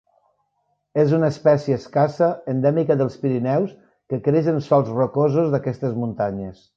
És una espècie escassa, endèmica dels Pirineus que creix en sols rocosos d'aquestes muntanyes.